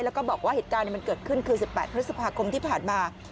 แล้วก็บอกว่าเหตุการณ์มันเกิดขึ้นคือ๑๘พฤษภาคมที่ผ่านมา